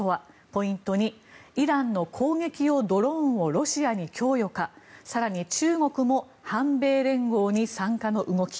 ポイント２、イランの攻撃用ドローンをロシアに供与か更に中国も反米連合に参加の動き。